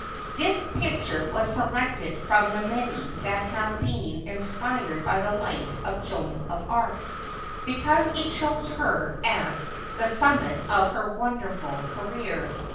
This picture was selected from the many that have been inspired by the life of Joan of Arc, because it shows her at the summit of her wonderful career.